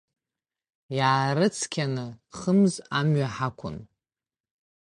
Иаарыцқьаны хымз амҩа ҳақәын.